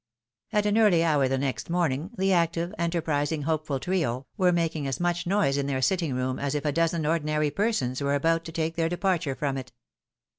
At an early hour the next morning, the active, enterprising, hopeful trio, were making as much noise in their sittiiig room as if a dozen ordinary persons were about to take their departure from it.